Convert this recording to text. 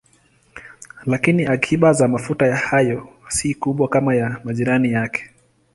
Lakini akiba za mafuta hayo si kubwa kama kwa majirani yake.